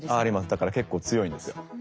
だから結構強いんですよ。